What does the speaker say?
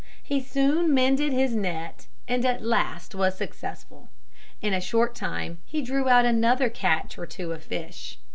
He soon mended his net and at last was successful. In a short time he drew out another catch of two fish.